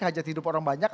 hajat hidup orang banyak